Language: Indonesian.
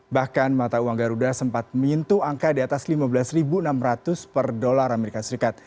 bahkan mata uang garuda sempat menyentuh angka di atas lima belas enam ratus per dolar as